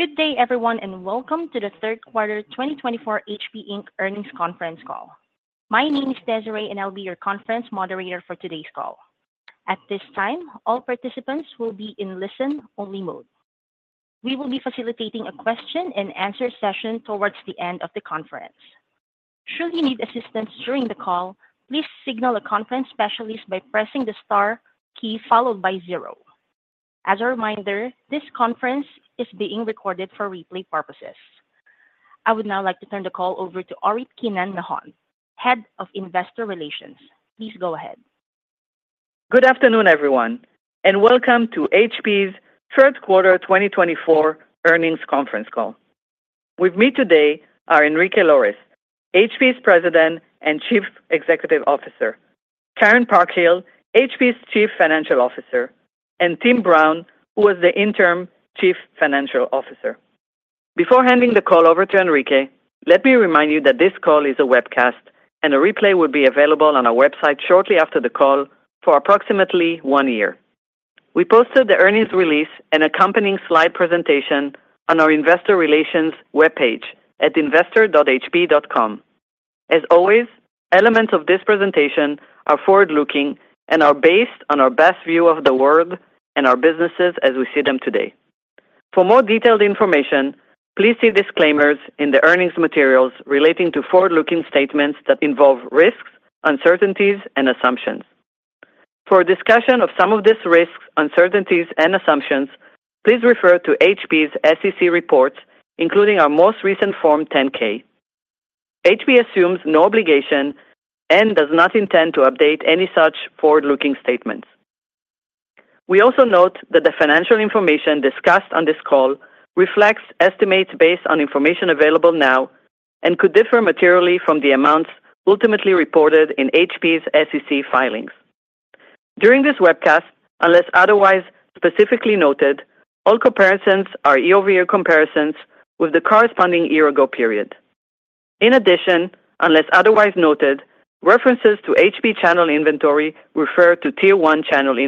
Good day, everyone, and welcome to the Third Quarter 2024 HP Inc. Earnings Conference Call. My name is Desiree, and I'll be your conference moderator for today's call. At this time, all participants will be in listen-only mode. We will be facilitating a question-and-answer session towards the end of the conference. Should you need assistance during the call, please signal a conference specialist by pressing the star key followed by zero. As a reminder, this conference is being recorded for replay purposes. I would now like to turn the call over to Orit Keinan-Nahon, Head of Investor Relations. Please go ahead. Good afternoon, everyone, and welcome to HP's Third Quarter 2024 Earnings Conference Call. With me today are Enrique Lores, HP's President and Chief Executive Officer, Karen Parkhill, HP's Chief Financial Officer, and Tim Brown, who is the Interim Chief Financial Officer. Before handing the call over to Enrique, let me remind you that this call is a webcast and a replay will be available on our website shortly after the call for approximately one year. We posted the earnings release and accompanying slide presentation on our investor relations webpage at investor.hp.com. As always, elements of this presentation are forward-looking and are based on our best view of the world and our businesses as we see them today. For more detailed information, please see disclaimers in the earnings materials relating to forward-looking statements that involve risks, uncertainties and assumptions. For a discussion of some of these risks, uncertainties and assumptions, please refer to HP's SEC reports, including our most recent Form 10-K. HP assumes no obligation and does not intend to update any such forward-looking statements. We also note that the financial information discussed on this call reflects estimates based on information available now and could differ materially from the amounts ultimately reported in HP's SEC filings. During this webcast, unless otherwise specifically noted, all comparisons are year-over-year comparisons with the corresponding year-ago period. In addition, unless otherwise noted, references to HP channel inventory refer to Tier 1 channel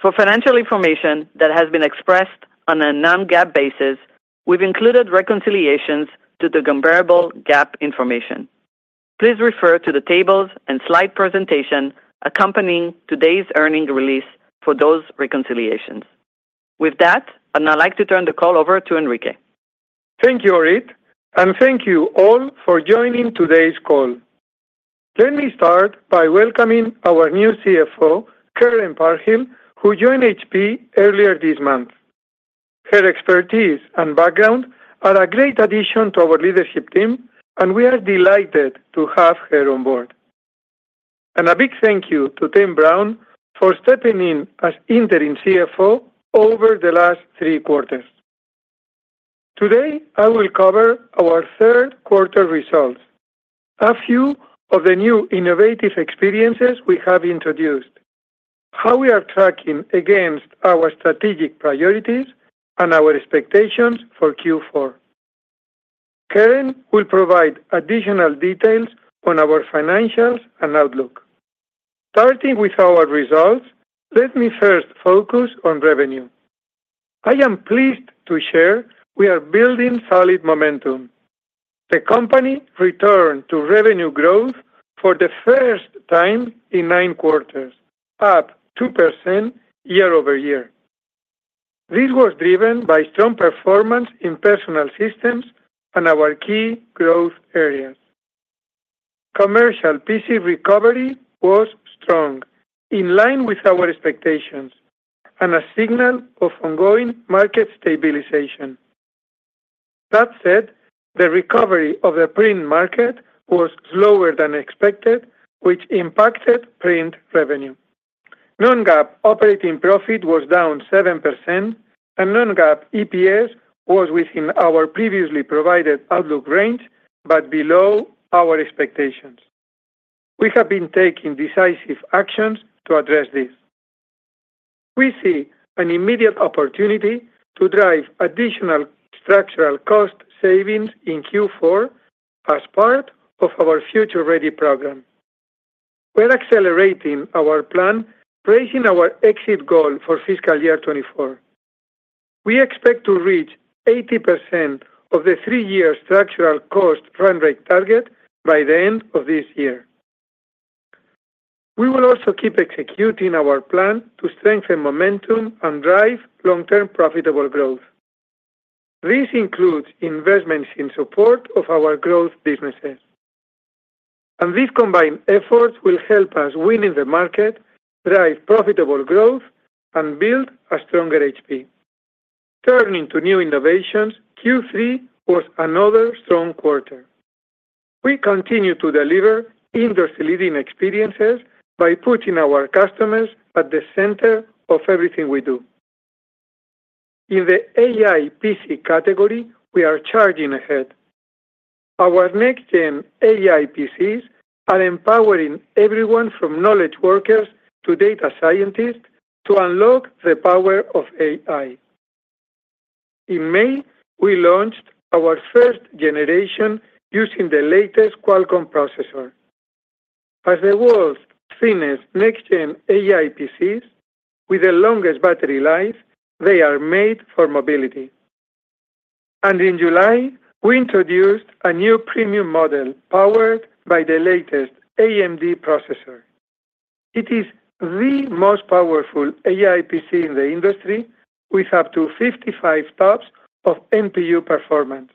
inventory. For financial information that has been expressed on a non-GAAP basis, we've included reconciliations to the comparable GAAP information. Please refer to the tables and slide presentation accompanying today's earnings release for those reconciliations. With that, I'd now like to turn the call over to Enrique. Thank you, Orit, and thank you all for joining today's call. Let me start by welcoming our new CFO, Karen Parkhill, who joined HP earlier this month. Her expertise and background are a great addition to our leadership team, and we are delighted to have her on board, and a big thank you to Tim Brown for stepping in as interim CFO over the last three quarters. Today, I will cover our third quarter results, a few of the new innovative experiences we have introduced, how we are tracking against our strategic priorities and our expectations for Q4. Karen will provide additional details on our financials and outlook. Starting with our results, let me first focus on revenue. I am pleased to share we are building solid momentum. The company returned to revenue growth for the first time in nine quarters, up 2% year-over-year. This was driven by strong performance in Personal Systems and our key growth areas. Commercial PC recovery was strong, in line with our expectations and a signal of ongoing market stabilization. That said, the recovery of the Print market was slower than expected, which impacted Print revenue. Non-GAAP operating profit was down 7% and non-GAAP EPS was within our previously provided outlook range, but below our expectations. We have been taking decisive actions to address this. We see an immediate opportunity to drive additional structural cost savings in Q4 as part of our Future Ready program. We're accelerating our plan, raising our exit goal for fiscal year 2024. We expect to reach 80% of the three-year structural cost run rate target by the end of this year. We will also keep executing our plan to strengthen momentum and drive long-term profitable growth. This includes investments in support of our growth businesses. And these combined efforts will help us win in the market, drive profitable growth, and build a stronger HP. Turning to new innovations, Q3 was another strong quarter. We continue to deliver industry-leading experiences by putting our customers at the center of everything we do. In the AI PC category, we are charging ahead. Our next gen AI PCs are empowering everyone from knowledge workers to data scientists to unlock the power of AI. In May, we launched our first generation using the latest Qualcomm processor. As the world's thinnest next gen AI PCs with the longest battery life, they are made for mobility. And in July, we introduced a new premium model powered by the latest AMD processor. It is the most powerful AI PC in the industry, with up to 55 TOPS of NPU performance.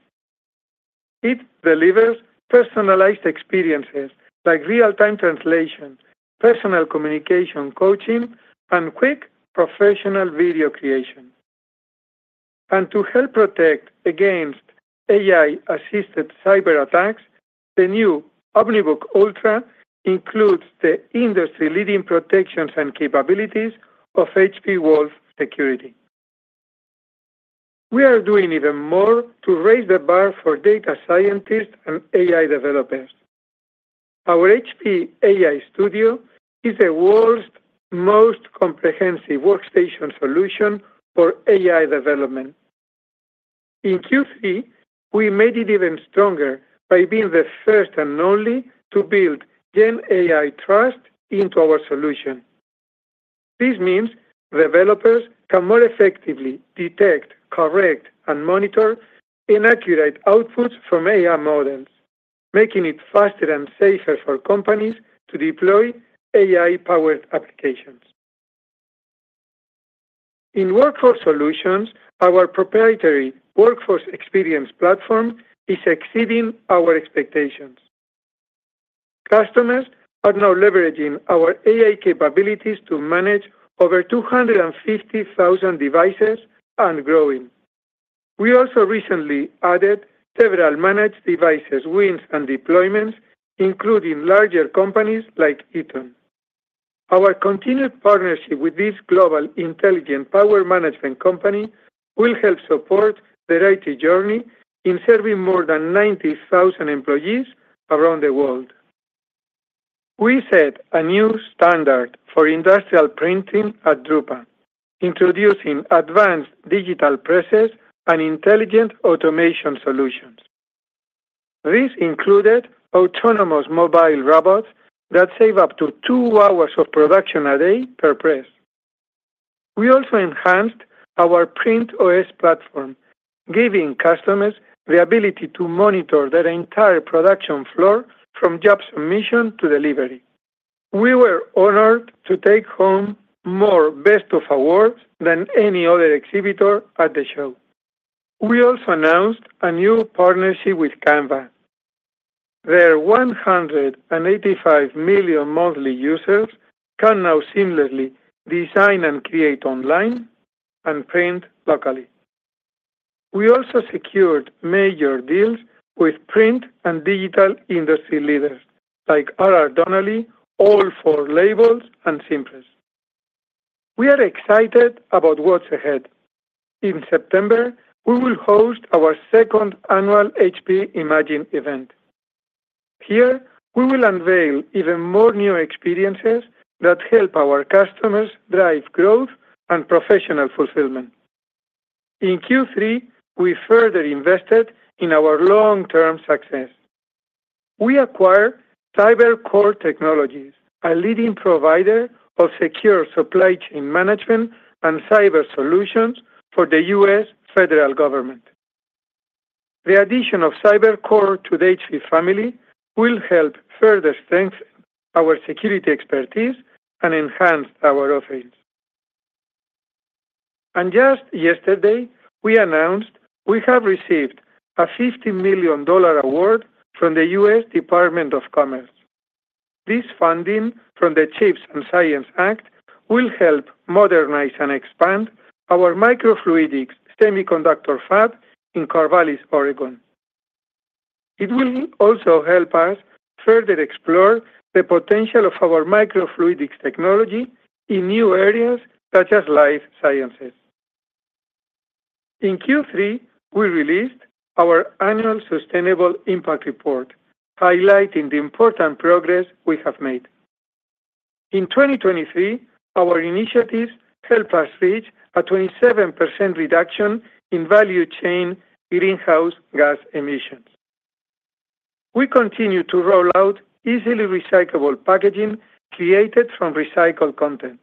It delivers personalized experiences like real-time translation, personal communication coaching, and quick professional video creation. And to help protect against AI-assisted cyberattacks, the new OmniBook Ultra includes the industry-leading protections and capabilities of HP Wolf Security. We are doing even more to raise the bar for data scientists and AI developers. Our HP AI Studio is the world's most comprehensive workstation solution for AI development. In Q3, we made it even stronger by being the first and only to build GenAI trust into our solution. This means developers can more effectively detect, correct, and monitor inaccurate outputs from AI models, making it faster and safer for companies to deploy AI-powered applications. In Workforce Solutions, our proprietary Workforce Experience Platform is exceeding our expectations. Customers are now leveraging our AI capabilities to manage over 250,000 devices, and growing. We also recently added several managed devices, wins, and deployments, including larger companies like Eaton. Our continued partnership with this global intelligent power management company will help support their IT journey in serving more than 90,000 employees around the world. We set a new standard for industrial printing at Drupa, introducing advanced digital presses and intelligent automation solutions. This included autonomous mobile robots that save up to two hours of production a day per press. We also enhanced our Print OS platform, giving customers the ability to monitor their entire production floor from job submission to delivery. We were honored to take home more Best of awards than any other exhibitor at the show. We also announced a new partnership with Canva. Their 185 million monthly users can now seamlessly design and create online and Print locally. We also secured major deals with print and digital industry leaders like RR Donnelley, All4Labels, and Cimpress. We are excited about what's ahead. In September, we will host our second annual HP Imagine event. Here, we will unveil even more new experiences that help our customers drive growth and professional fulfillment. In Q3, we further invested in our long-term success. We acquired CyberCore Technologies, a leading provider of secure supply chain management and cyber solutions for the U.S. federal government. The addition of CyberCore to the HP family will help further strengthen our security expertise and enhance our offerings. Just yesterday, we announced we have received a $50 million award from the U.S. Department of Commerce. This funding from the CHIPS and Science Act will help modernize and expand our microfluidics semiconductor fab in Corvallis, Oregon. It will also help us further explore the potential of our microfluidics technology in new areas such as life sciences. In Q3, we released our annual Sustainable Impact Report, highlighting the important progress we have made. In 2023, our initiatives helped us reach a 27% reduction in value chain greenhouse gas emissions. We continue to roll out easily recyclable packaging created from recycled content.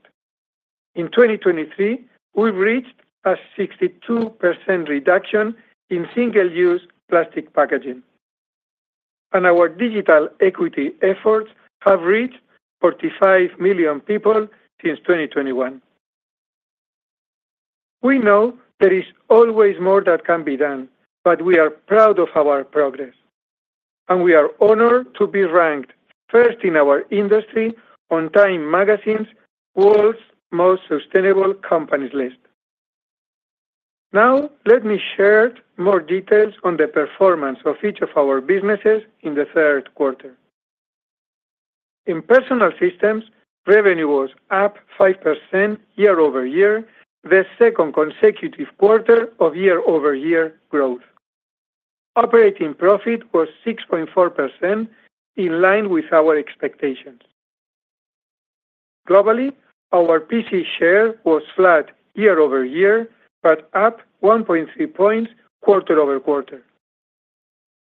In 2023, we've reached a 62% reduction in single-use plastic packaging, and our digital equity efforts have reached 45 million people since 2021. We know there is always more that can be done, but we are proud of our progress, and we are honored to be ranked first in our industry on TIME magazine's World's Most Sustainable Companies list. Now, let me share more details on the performance of each of our businesses in the third quarter. In Personal Systems, revenue was up 5% year-over-year, the second consecutive quarter of year-over-year growth. Operating profit was 6.4%, in line with our expectations. Globally, our PC share was flat year-over-year, but up 1.3 points quarter-over-quarter.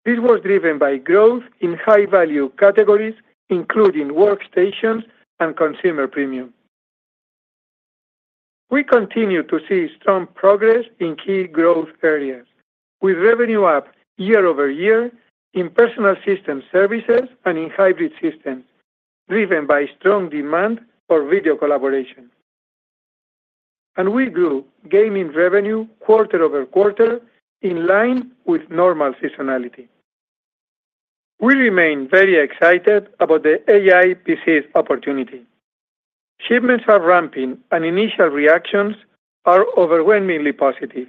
This was driven by growth in high-value categories, including workstations and consumer premium. We continue to see strong progress in key growth areas, with revenue up year-over-year in Personal Systems Services and in Hybrid Systems, driven by strong demand for video collaboration. And we grew Gaming revenue quarter-over-quarter in line with normal seasonality. We remain very excited about the AI PCs opportunity. Shipments are ramping, and initial reactions are overwhelmingly positive.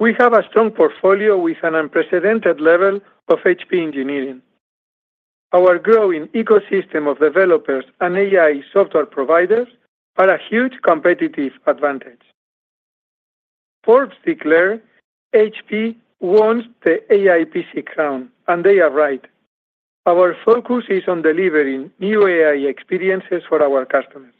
We have a strong portfolio with an unprecedented level of HP engineering. Our growing ecosystem of developers and AI software providers are a huge competitive advantage. Forbes declared HP wants the AI PC crown, and they are right. Our focus is on delivering new AI experiences for our customers.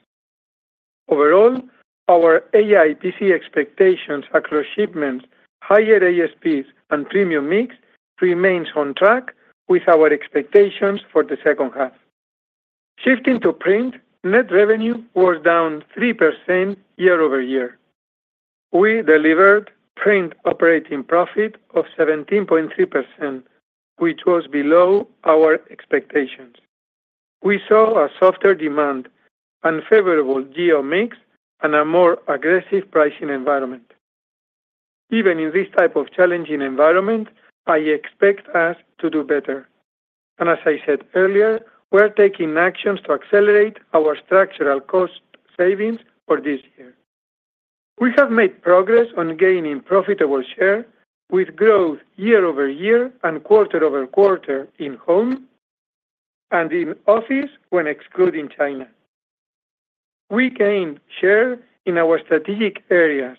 Overall, our AI PC expectations across shipments, higher ASPs, and premium mix remains on track with our expectations for the second half. Shifting to Print, net revenue was down 3% year-over-year. We delivered Print operating profit of 17.3%, which was below our expectations. We saw a softer demand, unfavorable geo mix, and a more aggressive pricing environment. Even in this type of challenging environment, I expect us to do better, and as I said earlier, we are taking actions to accelerate our structural cost savings for this year. We have made progress on gaining profitable share, with growth year-over-year and quarter-over-quarter in home and in office, when excluding China. We gained share in our strategic areas,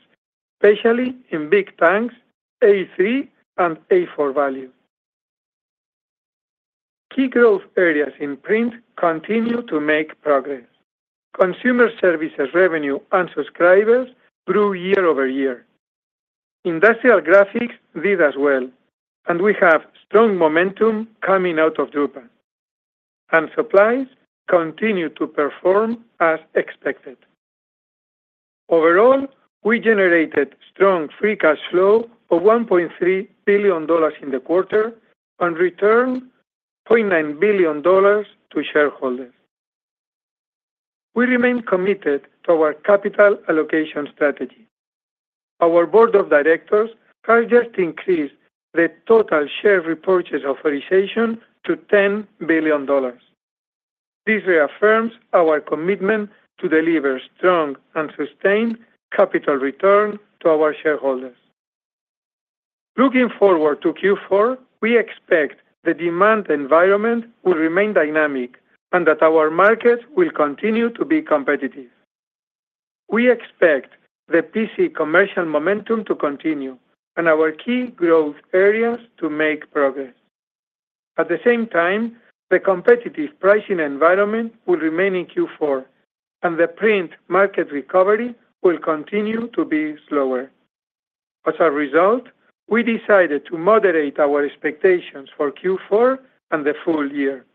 especially in big banks, A3, and A4 value. Key growth areas in Print continue to make progress. Consumer Services revenue and subscribers grew year-over-year. Industrial Graphics did as well, and we have strong momentum coming out of Drupa, and supplies continue to perform as expected. Overall, we generated strong free cash flow of $1.3 billion in the quarter and returned $0.9 billion to shareholders. We remain committed to our capital allocation strategy. Our board of directors has just increased the total share repurchase authorization to $10 billion. This reaffirms our commitment to deliver strong and sustained capital return to our shareholders. Looking forward to Q4, we expect the demand environment will remain dynamic and that our market will continue to be competitive. We expect the PC commercial momentum to continue and our key growth areas to make progress. At the same time, the competitive pricing environment will remain in Q4, and the Print market recovery will continue to be slower. As a result, we decided to moderate our expectations for Q4 and the full year.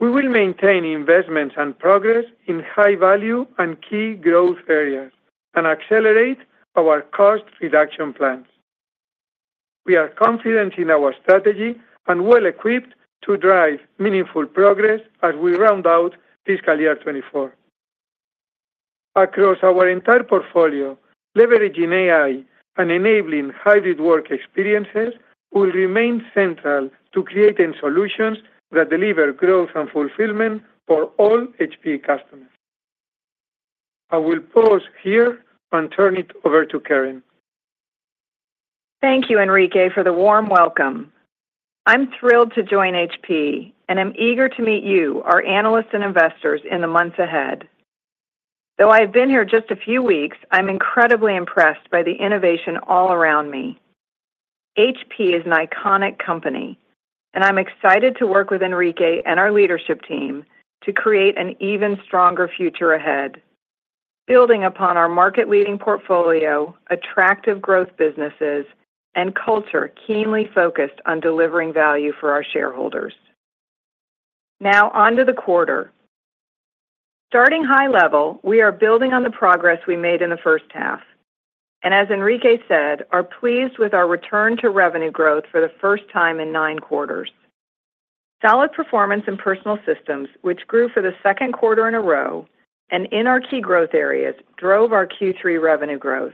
We will maintain investments and progress in high-value and key growth areas and accelerate our cost reduction plans. We are confident in our strategy and well-equipped to drive meaningful progress as we round out fiscal year 2024. Across our entire portfolio, leveraging AI and enabling hybrid work experiences will remain central to creating solutions that deliver growth and fulfillment for all HP customers. I will pause here and turn it over to Karen. Thank you, Enrique, for the warm welcome. I'm thrilled to join HP, and I'm eager to meet you, our analysts and investors, in the months ahead. Though I've been here just a few weeks, I'm incredibly impressed by the innovation all around me. HP is an iconic company, and I'm excited to work with Enrique and our leadership team to create an even stronger future ahead. Building upon our market-leading portfolio, attractive growth businesses, and culture keenly focused on delivering value for our shareholders. Now, onto the quarter. Starting high level, we are building on the progress we made in the first half, and as Enrique said, are pleased with our return to revenue growth for the first time in nine quarters. Solid performance in Personal Systems, which grew for the second quarter in a row and in our key growth areas, drove our Q3 revenue growth.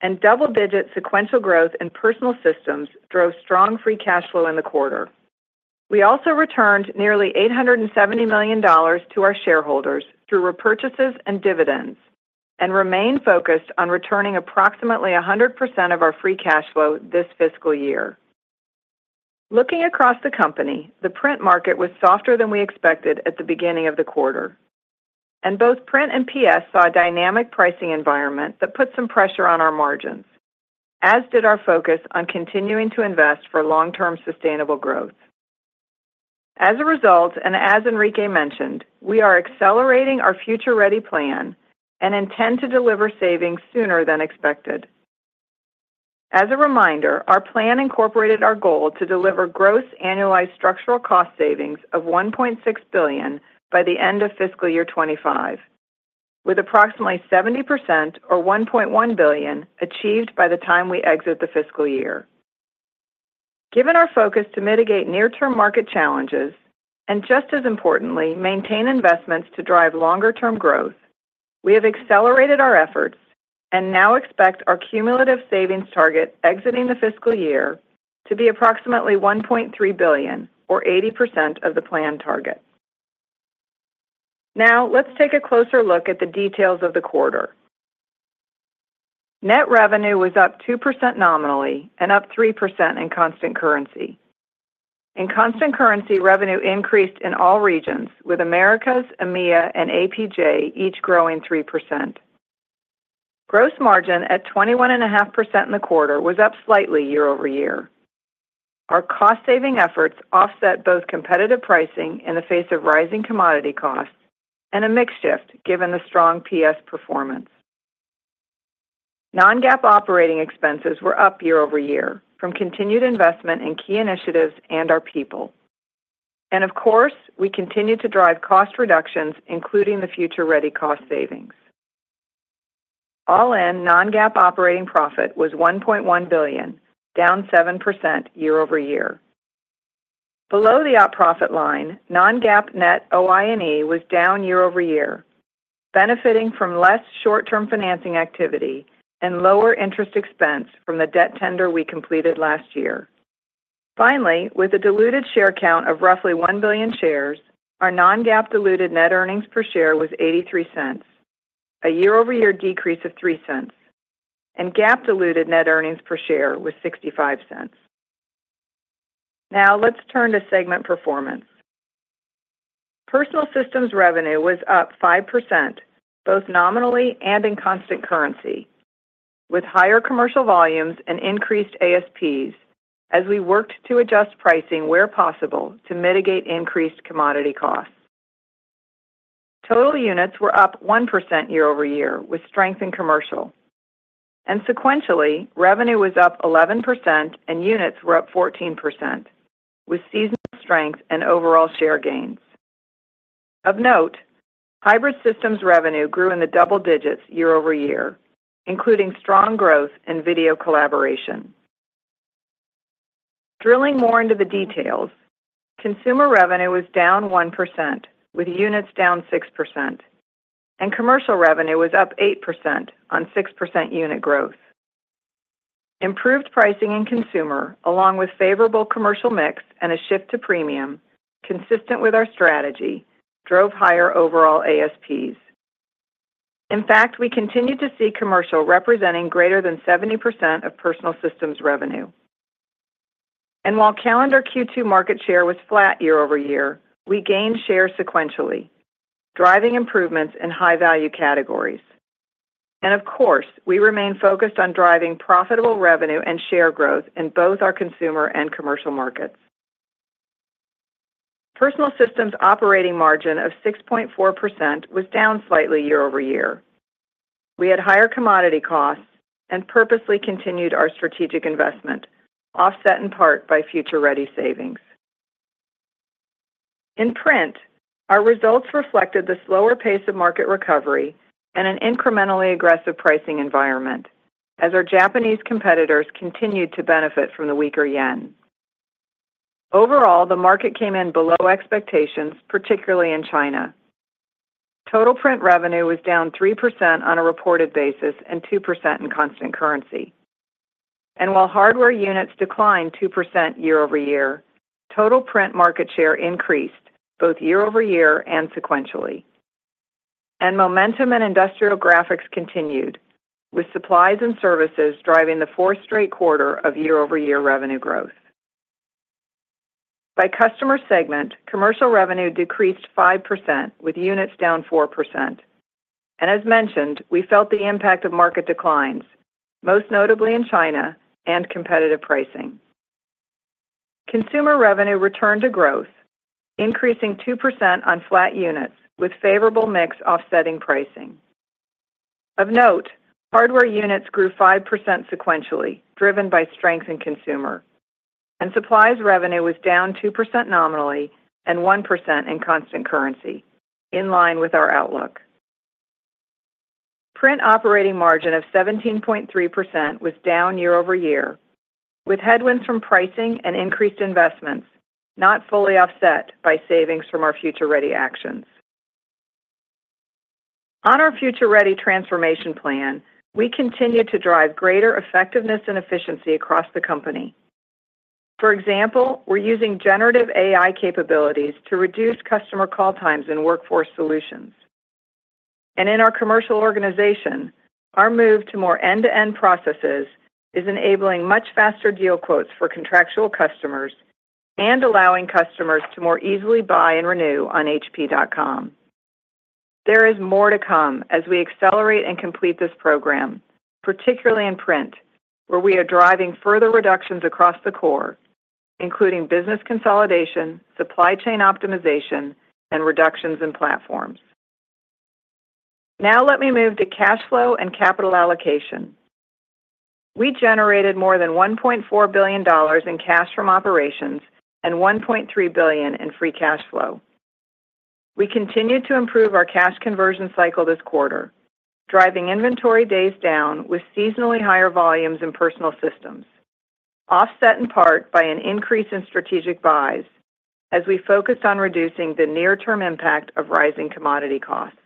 And double-digit sequential growth in Personal Systems drove strong Free Cash Flow in the quarter. We also returned nearly $870 million to our shareholders through repurchases and dividends, and remain focused on returning approximately 100% of our Free Cash Flow this fiscal year. Looking across the company, the print market was softer than we expected at the beginning of the quarter, and both Print and PS saw a dynamic pricing environment that put some pressure on our margins, as did our focus on continuing to invest for long-term sustainable growth. As a result, and as Enrique mentioned, we are accelerating our Future Ready plan and intend to deliver savings sooner than expected. As a reminder, our plan incorporated our goal to deliver gross annualized structural cost savings of $1.6 billion by the end of fiscal year 2025, with approximately 70% or $1.1 billion achieved by the time we exit the fiscal year. Given our focus to mitigate near-term market challenges, and just as importantly, maintain investments to drive longer-term growth, we have accelerated our efforts and now expect our cumulative savings target exiting the fiscal year to be approximately $1.3 billion or 80% of the planned target. Now, let's take a closer look at the details of the quarter. Net revenue was up 2% nominally and up 3% in constant currency. In constant currency, revenue increased in all regions, with Americas, EMEA, and APJ each growing 3%. Gross margin at 21.5% in the quarter was up slightly year-over-year. Our cost-saving efforts offset both competitive pricing in the face of rising commodity costs and a mix shift, given the strong PS performance. Non-GAAP operating expenses were up year-over-year from continued investment in key initiatives and our people, and of course, we continued to drive cost reductions, including the Future Ready cost savings. All in, non-GAAP operating profit was $1.1 billion, down 7% year-over-year. Below the op profit line, non-GAAP net OI&E was down year-over-year, benefiting from less short-term financing activity and lower interest expense from the debt tender we completed last year. Finally, with a diluted share count of roughly one billion shares, our non-GAAP diluted net earnings per share were $0.83, a year-over-year decrease of $0.03, and GAAP diluted net earnings per share were $0.65. Now, let's turn to segment performance. Personal Systems revenue was up 5%, both nominally and in constant currency, with higher commercial volumes and increased ASPs as we worked to adjust pricing where possible to mitigate increased commodity costs. Total units were up 1% year-over-year, with strength in commercial. And sequentially, revenue was up 11% and units were up 14%, with seasonal strength and overall share gains. Of note, Hybrid Systems revenue grew in the double digits year-over-year, including strong growth in video collaboration. Drilling more into the details, consumer revenue was down 1%, with units down 6%, and commercial revenue was up 8% on 6% unit growth. Improved pricing in consumer, along with favorable commercial mix and a shift to premium, consistent with our strategy, drove higher overall ASPs. In fact, we continued to see commercial representing greater than 70% of Personal Systems revenue. And while calendar Q2 market share was flat year-over-year, we gained share sequentially, driving improvements in high-value categories. And of course, we remain focused on driving profitable revenue and share growth in both our consumer and commercial markets. Personal Systems' operating margin of 6.4% was down slightly year-over-year. We had higher commodity costs and purposely continued our strategic investment, offset in part by Future Ready savings. In Print, our results reflected the slower pace of market recovery and an incrementally aggressive pricing environment, as our Japanese competitors continued to benefit from the weaker yen. Overall, the market came in below expectations, particularly in China. Total Print revenue was down 3% on a reported basis and 2% in constant currency. While hardware units declined 2% year-over-year, total Print market share increased both year-over-year and sequentially. Momentum in Industrial Graphics continued, with supplies and services driving the fourth straight quarter of year-over-year revenue growth. By customer segment, commercial revenue decreased 5%, with units down 4%. As mentioned, we felt the impact of market declines, most notably in China and competitive pricing. Consumer revenue returned to growth, increasing 2% on flat units, with favorable mix offsetting pricing. Of note, hardware units grew 5% sequentially, driven by strength in consumer, and supplies revenue was down 2% nominally and 1% in constant currency, in line with our outlook. Print operating margin of 17.3% was down year-over-year, with headwinds from pricing and increased investments, not fully offset by savings from our Future Ready actions. On our Future Ready transformation plan, we continue to drive greater effectiveness and efficiency across the company. For example, we're using generative AI capabilities to reduce customer call times in Workforce Solutions. In our commercial organization, our move to more end-to-end processes is enabling much faster deal quotes for contractual customers and allowing customers to more easily buy and renew on HP.com. There is more to come as we accelerate and complete this program, particularly in Print, where we are driving further reductions across the core, including business consolidation, supply chain optimization, and reductions in platforms. Now let me move to cash flow and capital allocation. We generated more than $1.4 billion in cash from operations and $1.3 billion in free cash flow. We continued to improve our cash conversion cycle this quarter, driving inventory days down with seasonally higher volumes in Personal Systems, offset in part by an increase in strategic buys as we focused on reducing the near-term impact of rising commodity costs.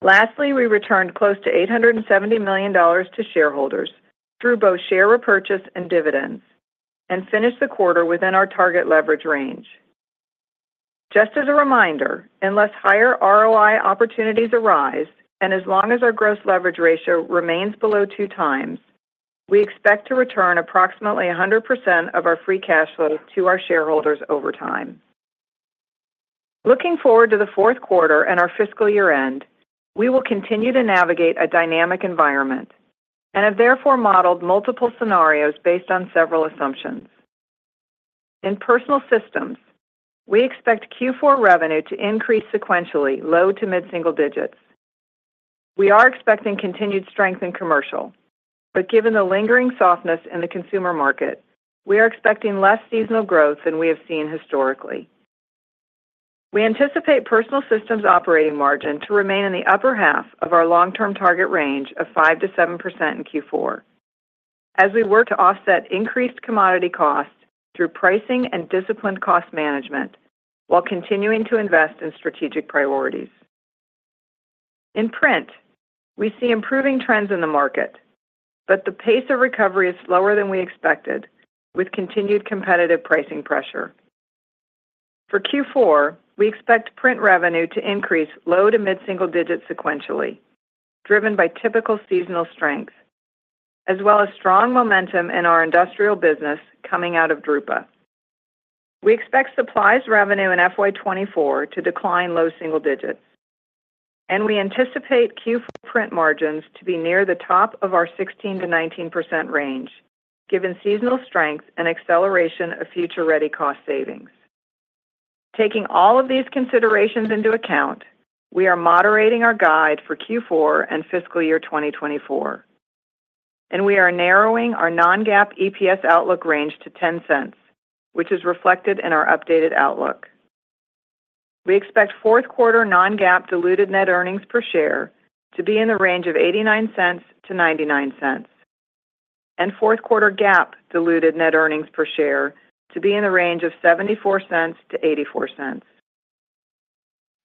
Lastly, we returned close to $870 million to shareholders through both share repurchase and dividends, and finished the quarter within our target leverage range. Just as a reminder, unless higher ROI opportunities arise, and as long as our gross leverage ratio remains below 2x, we expect to return approximately 100% of our free cash flow to our shareholders over time. Looking forward to the fourth quarter and our fiscal year-end, we will continue to navigate a dynamic environment and have therefore modeled multiple scenarios based on several assumptions. In Personal Systems, we expect Q4 revenue to increase sequentially, low- to mid-single-digit %. We are expecting continued strength in commercial, but given the lingering softness in the consumer market, we are expecting less seasonal growth than we have seen historically. We anticipate Personal Systems' operating margin to remain in the upper half of our long-term target range of 5-7% in Q4 as we work to offset increased commodity costs through pricing and disciplined cost management, while continuing to invest in strategic priorities. In Print, we see improving trends in the market, but the pace of recovery is slower than we expected, with continued competitive pricing pressure. For Q4, we expect Print revenue to increase low to mid-single digits sequentially, driven by typical seasonal strength, as well as strong momentum in our industrial business coming out of Drupa. We expect supplies revenue in FY 2024 to decline low single digits, and we anticipate Q4 Print margins to be near the top of our 16-19% range, given seasonal strength and acceleration of Future Ready cost savings. Taking all of these considerations into account, we are moderating our guide for Q4 and fiscal year 2024, and we are narrowing our non-GAAP EPS outlook range to $0.10, which is reflected in our updated outlook. We expect fourth quarter non-GAAP diluted net earnings per share to be in the range of $0.89-$0.99, and fourth quarter GAAP diluted net earnings per share to be in the range of $0.74-$0.84.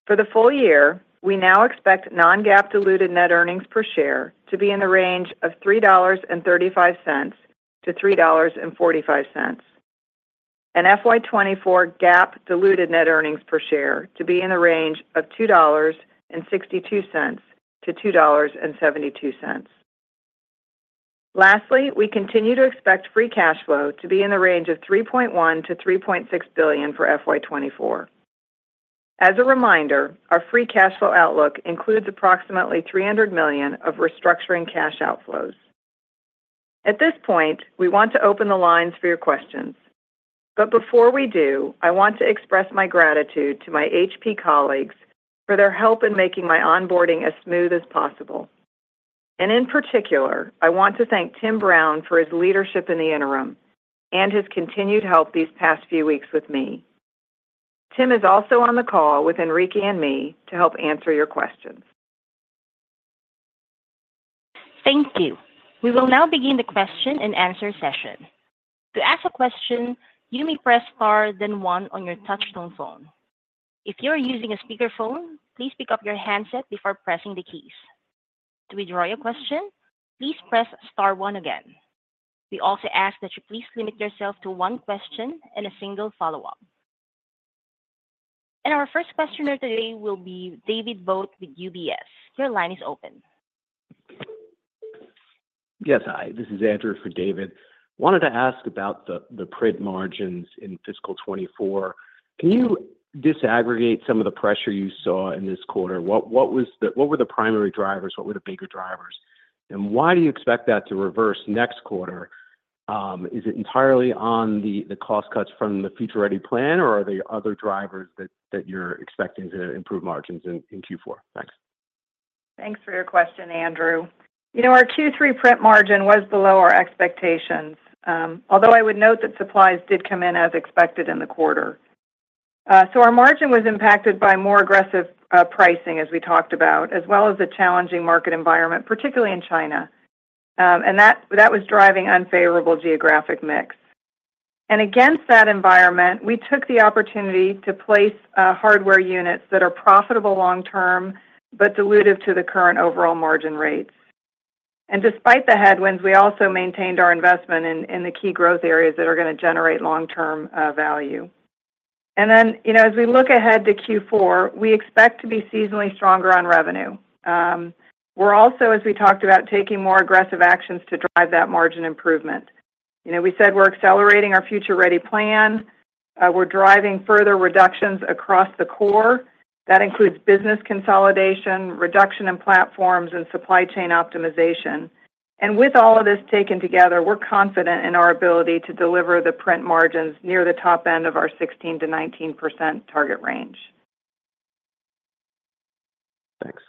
For the full year, we now expect non-GAAP diluted net earnings per share to be in the range of $3.35-$3.45, and FY 2024 GAAP diluted net earnings per share to be in the range of $2.62-$2.72. Lastly, we continue to expect free cash flow to be in the range of $3.1-$3.6 billion for FY 2024. As a reminder, our free cash flow outlook includes approximately $300 million of restructuring cash outflows. At this point, we want to open the lines for your questions. But before we do, I want to express my gratitude to my HP colleagues for their help in making my onboarding as smooth as possible. In particular, I want to thank Tim Brown for his leadership in the interim and his continued help these past few weeks with me. Tim is also on the call with Enrique and me to help answer your questions. Thank you. We will now begin the question and answer session. To ask a question, you may press star then one on your touchtone phone. If you are using a speakerphone, please pick up your handset before pressing the keys. To withdraw your question, please press star one again. We also ask that you please limit yourself to one question and a single follow-up. And our first questioner today will be David Vogt with UBS. Your line is open. Yes. Hi, this is Andrew for David. Wanted to ask about the Print margins in fiscal 2024. Can you disaggregate some of the pressure you saw in this quarter? What were the primary drivers? What were the bigger drivers, and why do you expect that to reverse next quarter? Is it entirely on the cost cuts from the Future Ready plan, or are there other drivers that you're expecting to improve margins in Q4? Thanks. Thanks for your question, Andrew. You know, our Q3 Print margin was below our expectations, although I would note that supplies did come in as expected in the quarter. So our margin was impacted by more aggressive pricing, as we talked about, as well as the challenging market environment, particularly in China. And that was driving unfavorable geographic mix. And against that environment, we took the opportunity to place hardware units that are profitable long term, but dilutive to the current overall margin rates. And despite the headwinds, we also maintained our investment in the key growth areas that are going to generate long-term value. And then, you know, as we look ahead to Q4, we expect to be seasonally stronger on revenue. We're also, as we talked about, taking more aggressive actions to drive that margin improvement. You know, we said we're accelerating our Future Ready plan. We're driving further reductions across the core. That includes business consolidation, reduction in platforms, and supply chain optimization, and with all of this taken together, we're confident in our ability to deliver the Print margins near the top end of our 16%-19% target range. Thanks.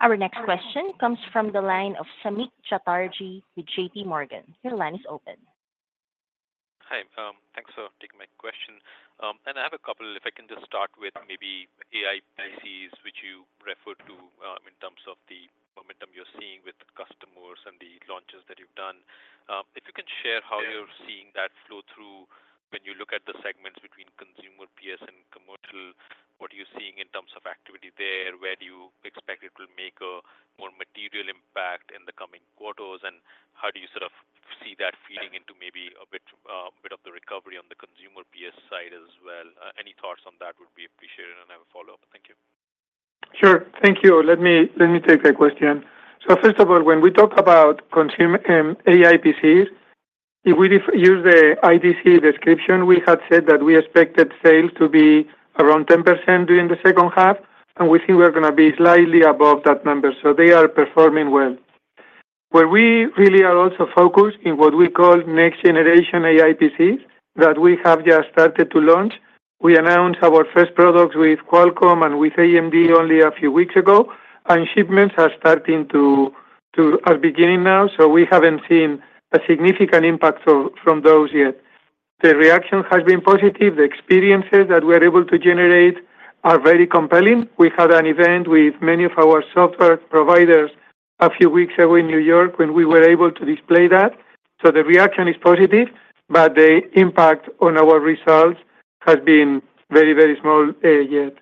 Our next question comes from the line of Samik Chatterjee with JPMorgan. Your line is open. Hi, thanks for taking my question, and I have a couple. If I can just start with maybe AI PCs, which you referred to, in terms of the momentum you're seeing with the customers and the launches that you've done. If you can share how you're seeing that flow through when you look at the segments between consumer, PS, and commercial, what are you seeing in terms of activity there? Where do you expect it will make a more material impact in the coming quarters, and how do you sort of see that feeding into maybe a bit of the recovery on the consumer PS side as well? Any thoughts on that would be appreciated, and I have a follow-up. Thank you. Sure. Thank you. Let me take that question. So first of all, when we talk about consumer AI PCs, if we use the IDC description, we had said that we expected sales to be around 10% during the second half, and we think we're gonna be slightly above that number, so they are performing well. Where we really are also focused in what we call next generation AI PCs, that we have just started to launch. We announced our first products with Qualcomm and with AMD only a few weeks ago, and shipments are beginning now, so we haven't seen a significant impact from those yet. The reaction has been positive. The experiences that we're able to generate are very compelling. We had an event with many of our software providers a few weeks ago in New York, when we were able to display that, so the reaction is positive, but the impact on our results has been very, very small yet.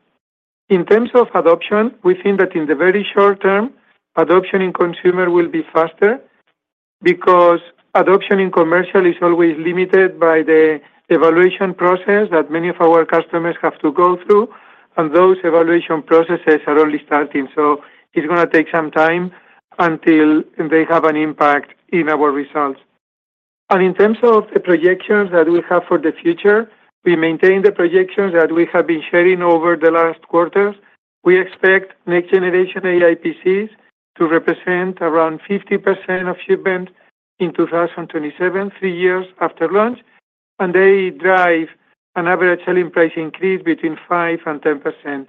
In terms of adoption, we think that in the very short term, adoption in consumer will be faster because adoption in commercial is always limited by the evaluation process that many of our customers have to go through, and those evaluation processes are only starting, so it's gonna take some time until they have an impact in our results, and in terms of the projections that we have for the future, we maintain the projections that we have been sharing over the last quarters. We expect next generation AI PCs to represent around 50% of shipments in 2027, three years after launch, and they drive an average selling price increase between 5% and 10%.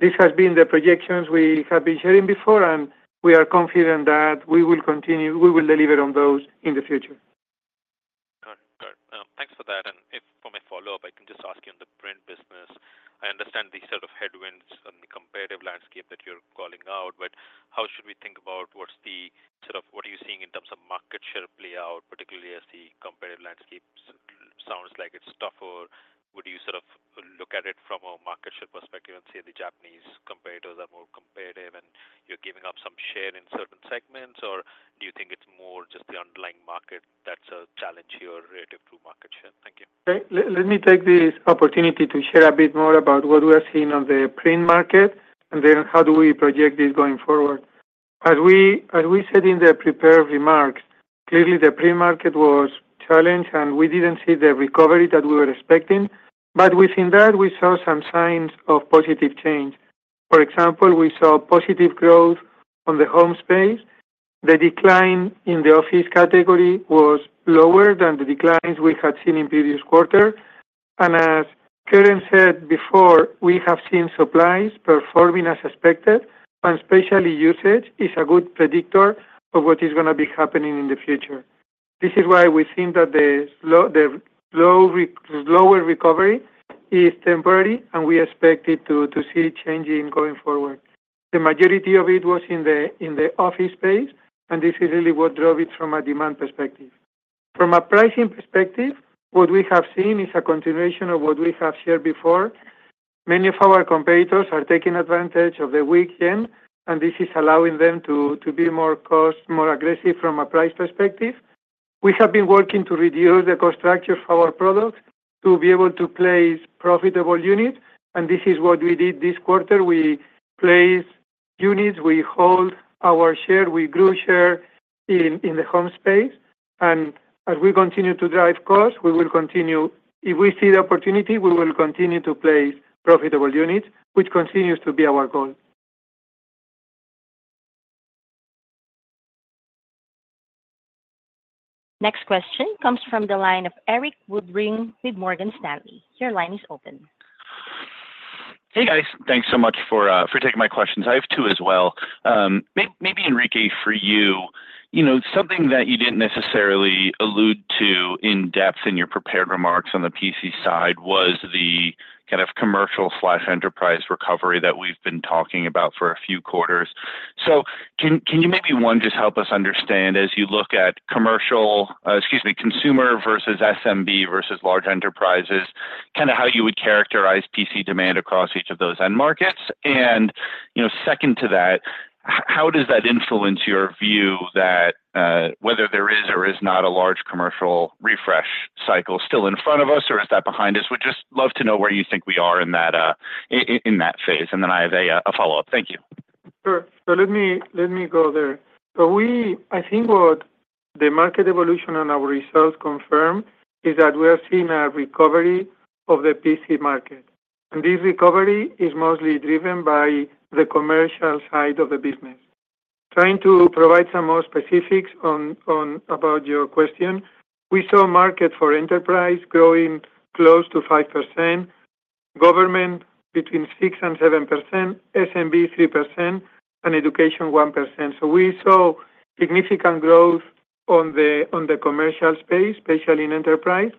This has been the projections we have been sharing before, and we are confident that we will deliver on those in the future. Got it. Thanks for that, and if for my follow-up, I can just ask you on the Print business. I understand the sort of headwinds and the competitive landscape that you're calling out, but how should we think about what you are seeing in terms of market share play out, particularly as the competitive landscape sounds like it's tougher? Would you sort of look at it from a market share perspective and say the Japanese competitors are more competitive and you're giving up some share in certain segments, or do you think it's more just the underlying market that's a challenge here relative to market share? Thank you. Let me take this opportunity to share a bit more about what we are seeing on the Print market, and then how do we project this going forward. As we said in the prepared remarks, clearly the Print market was challenged, and we didn't see the recovery that we were expecting, but within that, we saw some signs of positive change. For example, we saw positive growth on the home space. The decline in the office category was lower than the declines we had seen in previous quarter. And as Karen said before, we have seen supplies performing as expected, and especially usage is a good predictor of what is gonna be happening in the future. This is why we think that the slower recovery is temporary, and we expect it to see a change in going forward. The majority of it was in the office space, and this is really what drove it from a demand perspective. From a pricing perspective, what we have seen is a continuation of what we have shared before. Many of our competitors are taking advantage of the weak demand, and this is allowing them to be more cost, more aggressive from a price perspective. We have been working to reduce the cost structure of our products to be able to place profitable units, and this is what we did this quarter. We placed units, we hold our share, we grew share in the home space. As we continue to drive costs, we will continue. If we see the opportunity, we will continue to place profitable units, which continues to be our goal. Next question comes from the line of Erik Woodring with Morgan Stanley. Your line is open. Hey, guys. Thanks so much for taking my questions. I have two as well. Maybe Enrique, for you, you know, something that you didn't necessarily allude to in depth in your prepared remarks on the PC side was the, kind of, commercial/enterprise recovery that we've been talking about for a few quarters. So can you maybe, one, just help us understand, as you look at commercial, excuse me, consumer versus SMB versus large enterprises, kind of how you would characterize PC demand across each of those end markets? And, you know, second to that, how does that influence your view that, whether there is or is not a large commercial refresh cycle still in front of us, or is that behind us? Would just love to know where you think we are in that, in that phase, and then I have a, a follow-up. Thank you. Sure. So let me, let me go there. So I think what the market evolution and our results confirm is that we are seeing a recovery of the PC market, and this recovery is mostly driven by the commercial side of the business. Trying to provide some more specifics on about your question, we saw market for enterprise growing close to 5%, government between 6%-7%, SMB 3%, and education 1%. So we saw significant growth on the commercial space, especially in enterprise,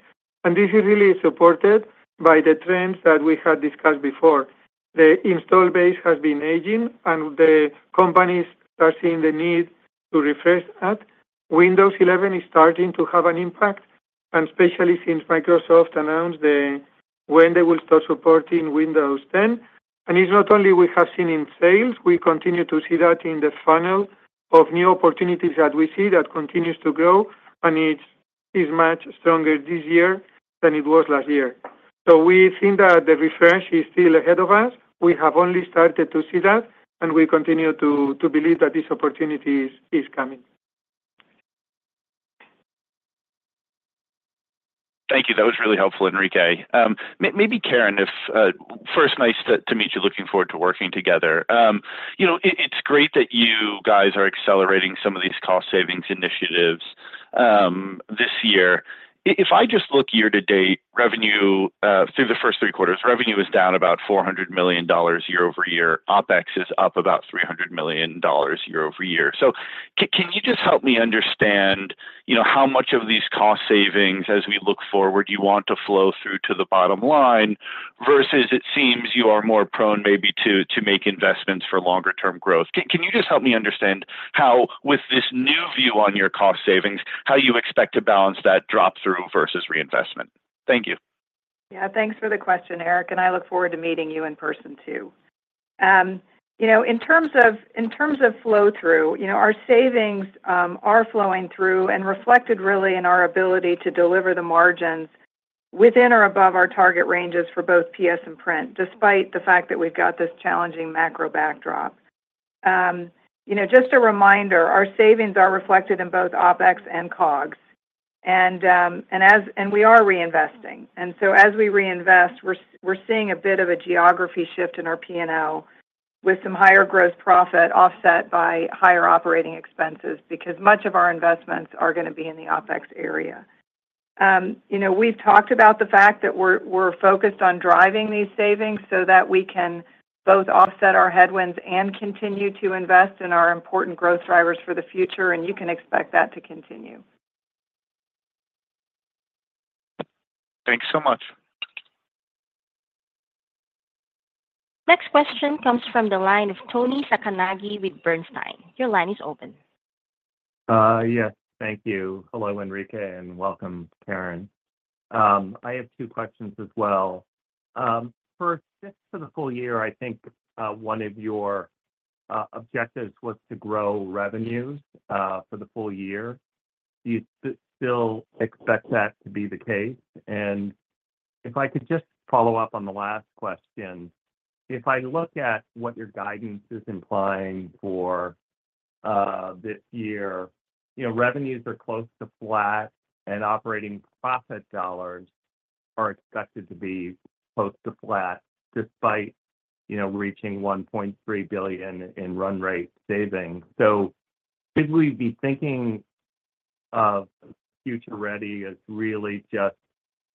and this is really supported by the trends that we had discussed before. The install base has been aging, and the companies are seeing the need to refresh that. Windows 11 is starting to have an impact, and especially since Microsoft announced the, when they will start supporting Windows 10. It's not only we have seen in sales. We continue to see that in the funnel of new opportunities that we see that continues to grow, and it's much stronger this year than it was last year. We think that the refresh is still ahead of us. We have only started to see that, and we continue to believe that this opportunity is coming. Thank you. That was really helpful, Enrique. Maybe Karen, first, nice to meet you. Looking forward to working together. You know, it's great that you guys are accelerating some of these cost savings initiatives this year. If I just look year to date, revenue through the first three quarters, revenue is down about $400 million year-over-year. OpEx is up about $300 million year-over-year. So can you just help me understand, you know, how much of these cost savings, as we look forward, you want to flow through to the bottom line, versus it seems you are more prone maybe to make investments for longer-term growth? Can you just help me understand how, with this new view on your cost savings, how you expect to balance that drop-through versus reinvestment? Thank you. Yeah, thanks for the question, Erik, and I look forward to meeting you in person, too. You know, in terms of flow-through, you know, our savings are flowing through and reflected really in our ability to deliver the margins within or above our target ranges for both PS and Print, despite the fact that we've got this challenging macro backdrop. You know, just a reminder, our savings are reflected in both OpEx and COGS, and we are reinvesting. And so as we reinvest, we're seeing a bit of a geography shift in our P&L with some higher gross profit offset by higher operating expenses, because much of our investments are gonna be in the OpEx area. You know, we've talked about the fact that we're focused on driving these savings so that we can both offset our headwinds and continue to invest in our important growth drivers for the future, and you can expect that to continue. Thanks so much. Next question comes from the line of Toni Sacconaghi with Bernstein. Your line is open. Yes, thank you. Hello, Enrique, and welcome, Karen. I have two questions as well. First, just for the full year, I think one of your objectives was to grow revenues for the full year. Do you still expect that to be the case? And if I could just follow up on the last question. If I look at what your guidance is implying for this year, you know, revenues are close to flat, and operating profit dollars are expected to be close to flat, despite, you know, reaching $1.3 billion in run rate savings. So should we be thinking of Future Ready as really just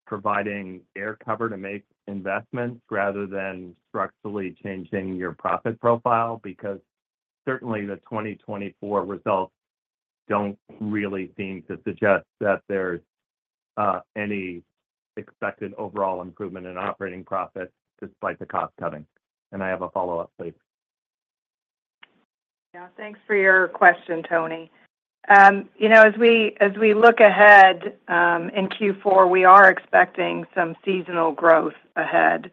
providing air cover to make investments rather than structurally changing your profit profile? Because certainly, the 2024 results don't really seem to suggest that there's any expected overall improvement in operating profit despite the cost cutting. And I have a follow-up, please. Yeah, thanks for your question, Toni. You know, as we look ahead, in Q4, we are expecting some seasonal growth ahead.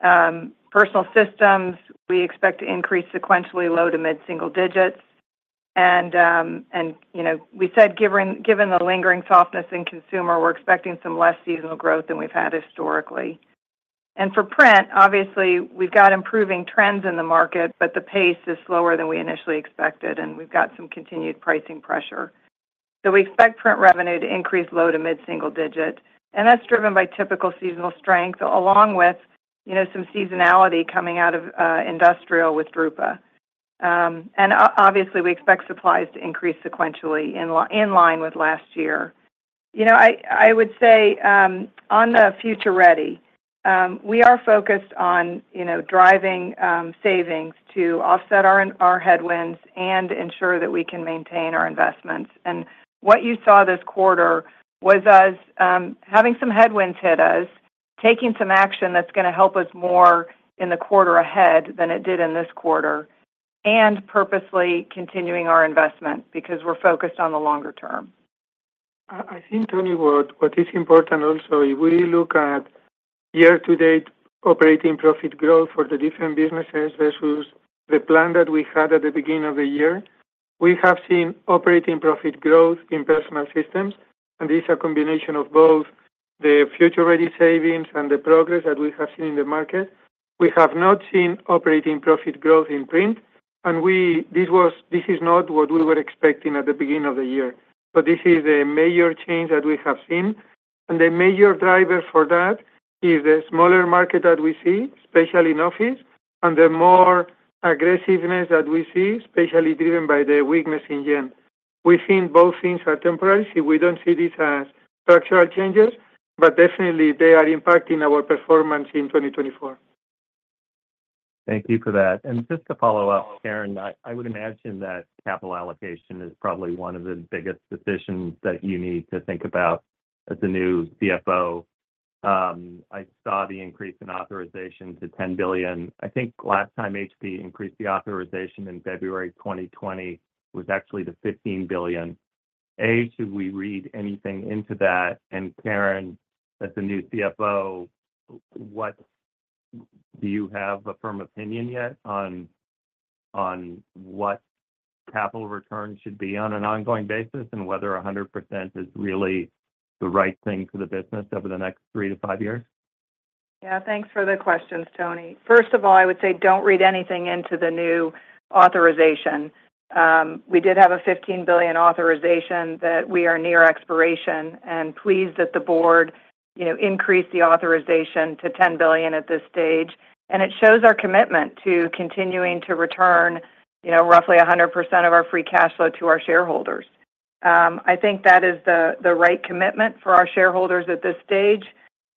Personal Systems, we expect to increase sequentially low to mid-single digits. And, you know, we said, given the lingering softness in consumer, we're expecting some less seasonal growth than we've had historically. And for Print, obviously, we've got improving trends in the market, but the pace is slower than we initially expected, and we've got some continued pricing pressure. So we expect Print revenue to increase low to mid-single digit, and that's driven by typical seasonal strength, along with, you know, some seasonality coming out of industrial with Drupa. And obviously, we expect supplies to increase sequentially in line with last year. You know, I would say on the Future Ready, we are focused on, you know, driving savings to offset our headwinds and ensure that we can maintain our investments. And what you saw this quarter was us having some headwinds hit us, taking some action that's gonna help us more in the quarter ahead than it did in this quarter, and purposely continuing our investment because we're focused on the longer term. I think, Toni, what is important also, if we look at year-to-date operating profit growth for the different businesses versus the plan that we had at the beginning of the year, we have seen operating profit growth in Personal Systems, and these are combination of both, the Future Ready savings and the progress that we have seen in the market. We have not seen operating profit growth in Print, and this was, this is not what we were expecting at the beginning of the year, but this is a major change that we have seen. The major driver for that is the smaller market that we see, especially in office, and the more aggressiveness that we see, especially driven by the weakness in yen. We think both things are temporary. We don't see this as structural changes, but definitely they are impacting our performance in 2024. Thank you for that. And just to follow up, Karen, I would imagine that capital allocation is probably one of the biggest decisions that you need to think about as the new CFO. I saw the increase in authorization to $10 billion. I think last time HP increased the authorization in February 2020, was actually to $15 billion. Should we read anything into that? And Karen, as the new CFO, what do you have a firm opinion yet on, on what capital returns should be on an ongoing basis, and whether 100% is really the right thing for the business over the next three to five years? Yeah, thanks for the questions, Toni. First of all, I would say don't read anything into the new authorization. We did have a $15 billion authorization that we are near expiration, and pleased that the board, you know, increased the authorization to $10 billion at this stage. And it shows our commitment to continuing to return, you know, roughly 100% of our free cash flow to our shareholders. I think that is the right commitment for our shareholders at this stage.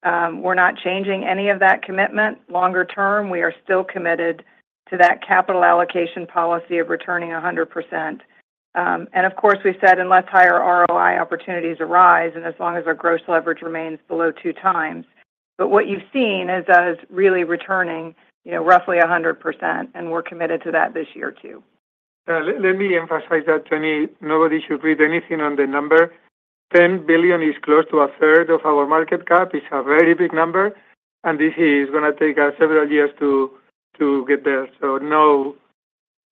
We're not changing any of that commitment. Longer term, we are still committed to that capital allocation policy of returning 100%. And of course, we said unless higher ROI opportunities arise and as long as our gross leverage remains below 2X. But what you've seen is us really returning, you know, roughly 100%, and we're committed to that this year, too. Let me emphasize that, Tony, nobody should read anything on the number. $10 billion is close to a third of our market cap. It's a very big number, and this is gonna take us several years to get there. So no,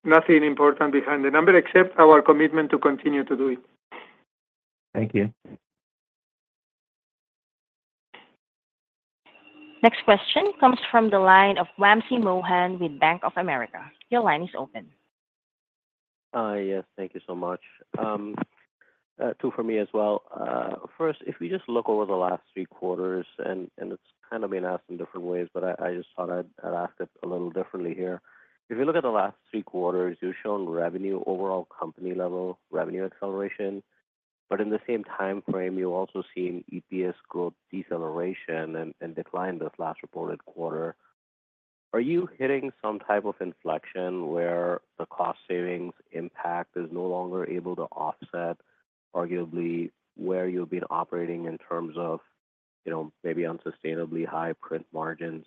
nothing important behind the number, except our commitment to continue to do it. Thank you. Next question comes from the line of Wamsi Mohan with Bank of America. Your line is open. Yes, thank you so much. Two for me as well. First, if we just look over the last three quarters, and it's kind of been asked in different ways, but I just thought I'd ask it a little differently here. If you look at the last three quarters, you've shown revenue, overall company level revenue acceleration, but in the same time frame, you've also seen EPS growth deceleration and decline this last reported quarter. Are you hitting some type of inflection where the cost savings impact is no longer able to offset, arguably, where you've been operating in terms of, you know, maybe unsustainably high Print margins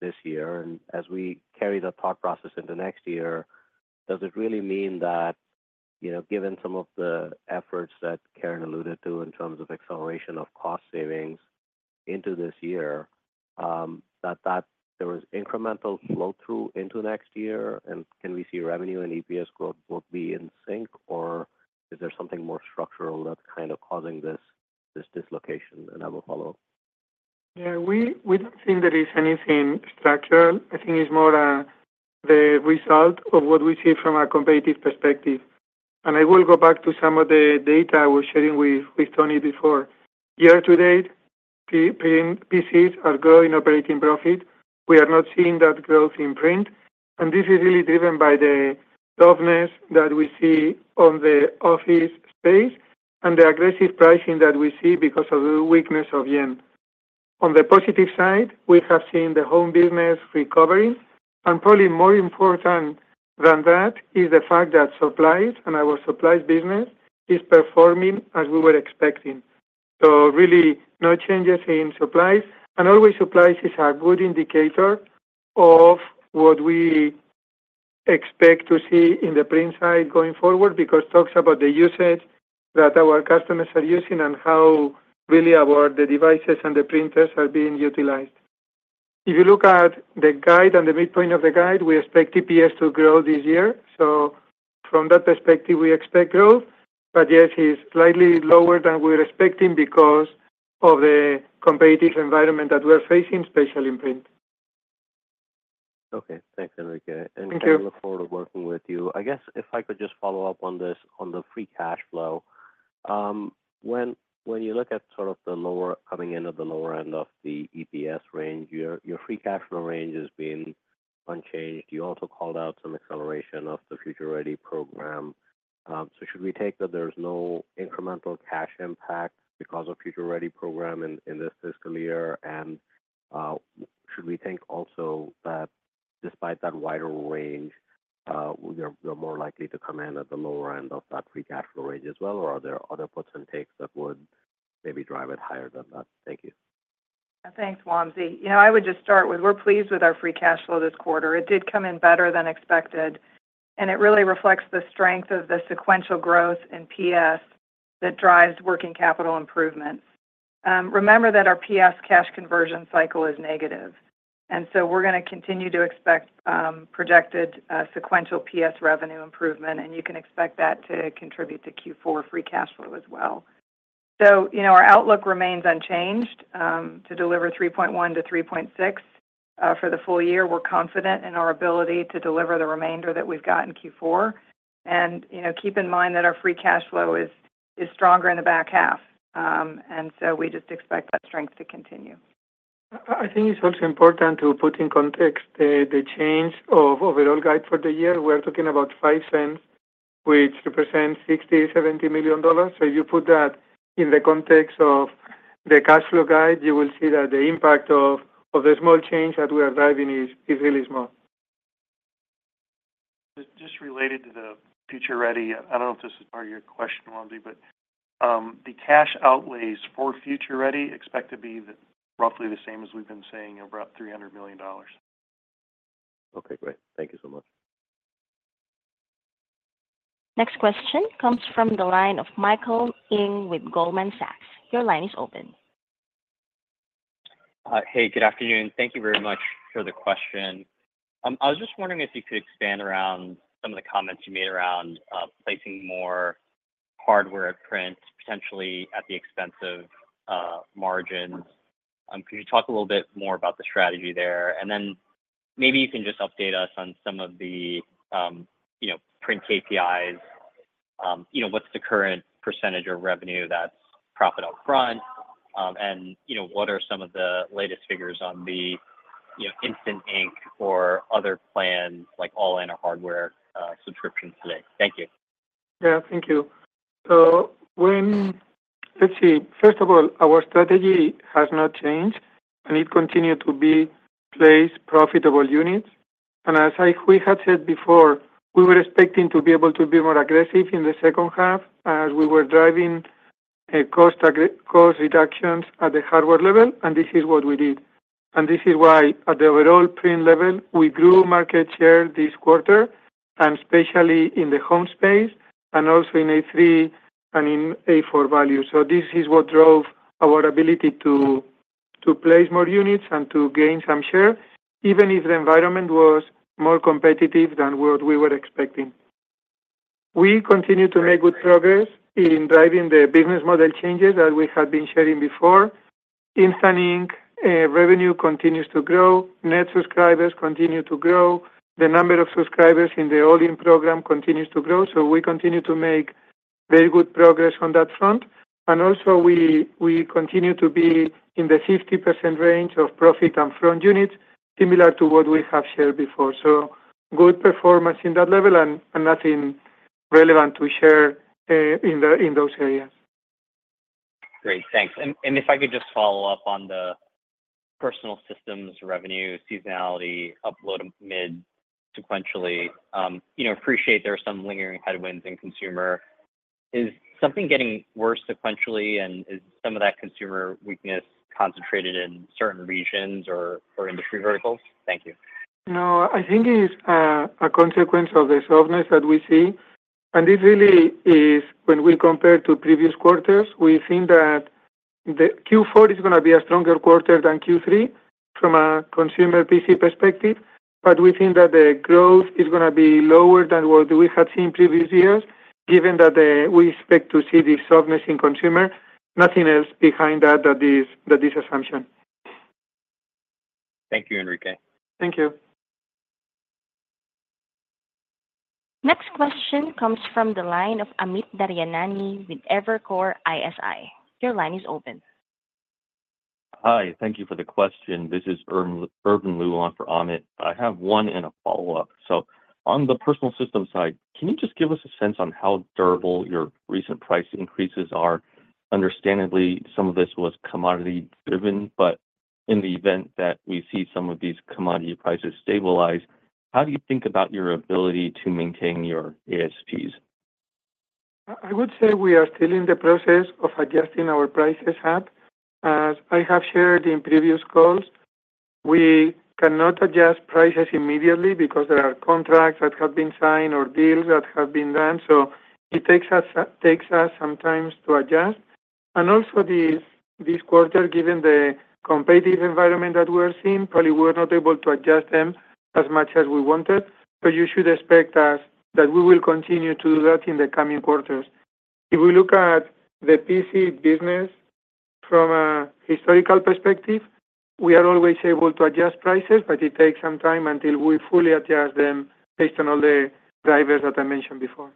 this year? And as we carry that thought process into next year, does it really mean that, you know, given some of the efforts that Karen alluded to in terms of acceleration of cost savings into this year, that there was incremental flow-through into next year, and can we see revenue and EPS growth both be in sync, or is there something more structural that's kind of causing this dislocation? And I will follow up. Yeah, we don't think there is anything structural. I think it's more the result of what we see from a competitive perspective. And I will go back to some of the data I was sharing with Toni before. Year to date, PCs are growing operating profit. We are not seeing that growth in Print, and this is really driven by the softness that we see on the office space and the aggressive pricing that we see because of the weakness of yen. On the positive side, we have seen the home business recovering, and probably more important than that is the fact that supplies and our supplies business is performing as we were expecting. So really, no changes in supplies. Always, supplies is a good indicator of what we expect to see in the Print side going forward, because it talks about the usage that our customers are using and how really the devices and the printers are being utilized. If you look at the guide and the midpoint of the guide, we expect EPS to grow this year. So from that perspective, we expect growth, but yes, it's slightly lower than we're expecting because of the competitive environment that we're facing, especially in Print. Okay. Thanks, Enrique. Thank you. I look forward to working with you. I guess if I could just follow up on this, on the free cash flow. When you look at sort of the lower end of the EPS range, your free cash flow range has been unchanged. You also called out some acceleration of the Future Ready program. So should we take that there's no incremental cash impact because of Future Ready program in this fiscal year? Should we think also that despite that wider range, you're more likely to come in at the lower end of that free cash flow range as well, or are there other puts and takes that would maybe drive it higher than that? Thank you. Thanks, Wamsi. You know, I would just start with, we're pleased with our free cash flow this quarter. It did come in better than expected, and it really reflects the strength of the sequential growth in PS that drives working capital improvements. Remember that our PS cash conversion cycle is negative. And so we're gonna continue to expect projected sequential PS revenue improvement, and you can expect that to contribute to Q4 free cash flow as well. So, you know, our outlook remains unchanged to deliver 3.1-3.6 for the full year. We're confident in our ability to deliver the remainder that we've got in Q4. And, you know, keep in mind that our free cash flow is stronger in the back half. And so we just expect that strength to continue. I think it's also important to put in context the change of overall guide for the year. We're talking about $0.05, which represents $60 million-$70 million. So you put that in the context of the cash flow guide, you will see that the impact of the small change that we are driving is really small. Just related to the Future Ready, I don't know if this is part of your question, Randy, but the cash outlays for Future Ready expect to be roughly the same as we've been saying, about $300 million. Okay, great. Thank you so much. Next question comes from the line of Michael Ng with Goldman Sachs. Your line is open. Hey, good afternoon. Thank you very much for the question. I was just wondering if you could expand around some of the comments you made around, placing more hardware at Print, potentially at the expense of, margins. Could you talk a little bit more about the strategy there? And then maybe you can just update us on some of the, you know, Print KPIs. You know, what's the current % of revenue that's profit upfront? And, you know, what are some of the latest figures on the, you know, Instant Ink or other plans, like All-In hardware, subscriptions today? Thank you. Yeah, thank you. First of all, our strategy has not changed, and it continued to be to place profitable units. And as we had said before, we were expecting to be able to be more aggressive in the second half as we were driving cost reductions at the hardware level, and this is what we did, and this is why at the overall Print level, we grew market share this quarter, and especially in the home space, and also in A3 and in A4 value. So this is what drove our ability to place more units and to gain some share, even if the environment was more competitive than what we were expecting. We continue to make good progress in driving the business model changes that we have been sharing before. Instant Ink revenue continues to grow. Net subscribers continue to grow. The number of subscribers in the All-In program continues to grow, so we continue to make very good progress on that front. And also, we continue to be in the 50% range of profit upfront units, similar to what we have shared before. So good performance in that level and nothing relevant to share in those areas. Great, thanks. And if I could just follow up on the Personal Systems revenue seasonality, up low-mid sequentially. You know, I appreciate there are some lingering headwinds in consumer. Is something getting worse sequentially, and is some of that consumer weakness concentrated in certain regions or industry verticals? Thank you. No, I think it is a consequence of the softness that we see. And this really is when we compare to previous quarters, we think that the Q4 is gonna be a stronger quarter than Q3 from a consumer PC perspective, but we think that the growth is gonna be lower than what we had seen previous years, given that we expect to see the softness in consumer. Nothing else behind that, that this assumption. Thank you, Enrique. Thank you. Next question comes from the line of Amit Daryanani with Evercore ISI. Your line is open. Hi, thank you for the question. This is Irvin Liu for Amit. I have one and a follow-up. So on the Personal Systems side, can you just give us a sense on how durable your recent price increases are? Understandably, some of this was commodity driven, but in the event that we see some of these commodity prices stabilize, how do you think about your ability to maintain your ASPs? I would say we are still in the process of adjusting our prices up. As I have shared in previous calls, we cannot adjust prices immediately because there are contracts that have been signed or deals that have been done, so it takes us some time to adjust. Also this quarter, given the competitive environment that we're seeing, probably we're not able to adjust them as much as we wanted, but you should expect that we will continue to do that in the coming quarters. If we look at the PC business from a historical perspective, we are always able to adjust prices, but it takes some time until we fully adjust them based on all the drivers that I mentioned before.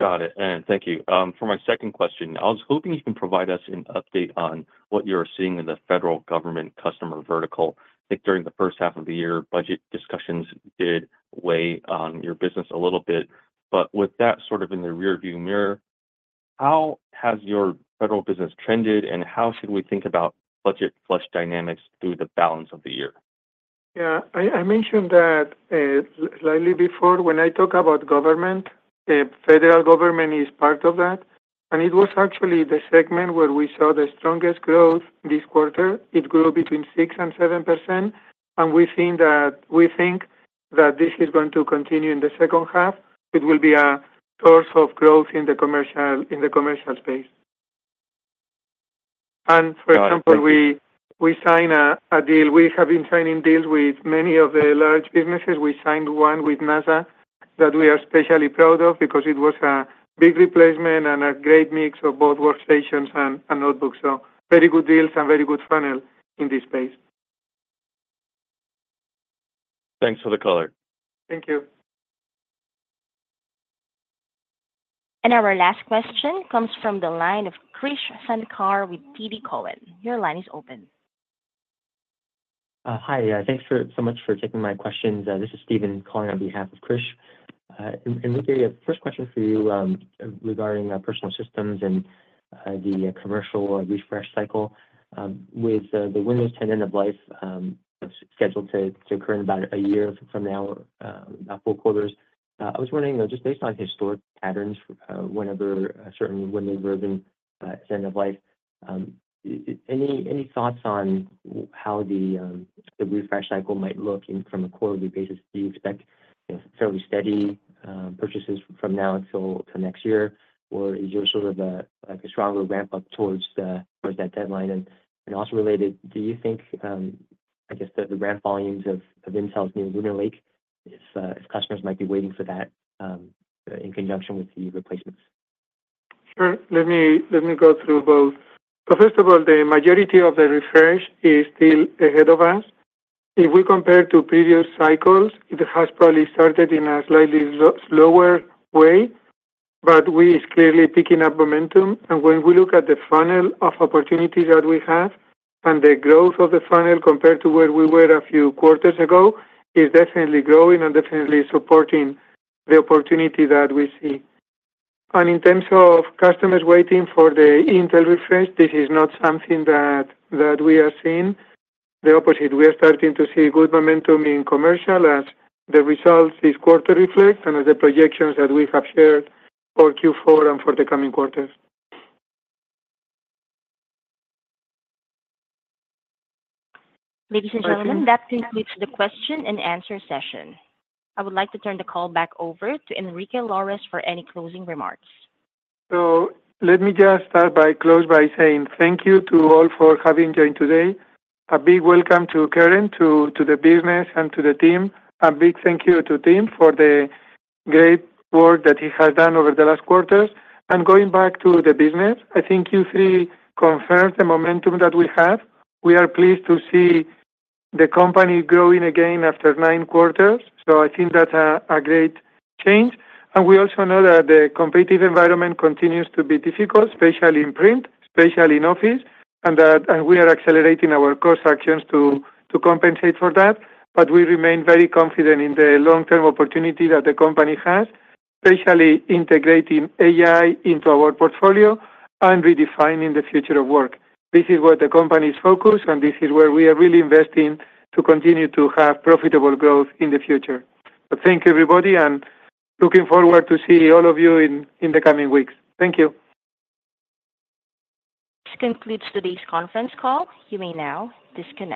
Got it, and thank you. For my second question, I was hoping you can provide us an update on what you're seeing in the federal government customer vertical. I think during the first half of the year, budget discussions did weigh on your business a little bit, but with that sort of in the rearview mirror, how has your federal business trended, and how should we think about budget flush dynamics through the balance of the year? Yeah, I mentioned that slightly before. When I talk about government, the federal government is part of that, and it was actually the segment where we saw the strongest growth this quarter. It grew between 6% and 7%, and we think that this is going to continue in the second half. It will be a source of growth in the commercial space. For example, we sign a deal. We have been signing deals with many of the large businesses. We signed one with NASA that we are especially proud of because it was a big replacement and a great mix of both workstations and notebooks. So very good deals and very good funnel in this space. Thanks for the color. Thank you. And our last question comes from the line of Krish Sankar with TD Cowen. Your line is open. Hi. Thanks so much for taking my questions. This is Steven calling on behalf of Krish. And Enrique, first question for you, regarding Personal Systems and the commercial refresh cycle. With the Windows 10 end-of-life scheduled to occur in about a year from now, about four quarters, I was wondering, just based on historic patterns, whenever a certain Windows version end of life, any thoughts on how the refresh cycle might look in from a quarterly basis? Do you expect, you know, fairly steady purchases from now until next year, or is there sort of a, like a stronger ramp up towards that deadline? Also related, do you think, I guess, the ramp volumes of Intel's new Lunar Lake, if customers might be waiting for that, in conjunction with the replacements? Sure. Let me, let me go through both. So first of all, the majority of the refresh is still ahead of us. If we compare to previous cycles, it has probably started in a slightly slower way, but it is clearly picking up momentum. And when we look at the funnel of opportunities that we have, and the growth of the funnel compared to where we were a few quarters ago, is definitely growing and definitely supporting the opportunity that we see. And in terms of customers waiting for the Intel refresh, this is not something that we are seeing. The opposite. We are starting to see good momentum in commercial as the results this quarter reflect and the projections that we have shared for Q4 and for the coming quarters. Ladies and gentlemen, that concludes the question and answer session. I would like to turn the call back over to Enrique Lores for any closing remarks. So let me just close by saying thank you to all for having joined today. A big welcome to Karen to the business and to the team. A big thank you to Tim for the great work that he has done over the last quarters. And going back to the business, I think Q3 confirms the momentum that we have. We are pleased to see the company growing again after nine quarters, so I think that's a great change. And we also know that the competitive environment continues to be difficult, especially in Print, especially in office, and that we are accelerating our cost actions to compensate for that. But we remain very confident in the long-term opportunity that the company has, especially integrating AI into our portfolio and redefining the future of work. This is where the company is focused, and this is where we are really investing to continue to have profitable growth in the future. But thank you, everybody, and looking forward to see all of you in the coming weeks. Thank you. This concludes today's conference call. You may now disconnect.